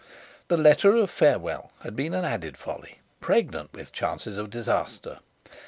The letter of farewell had been an added folly, pregnant with chances of disaster.